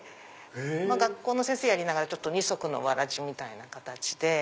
学校の先生やりながら二足のわらじみたいな形で。